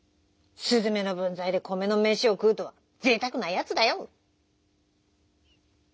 すずめのぶんざいでこめのめしをくうとはぜいたくなやつだよ」。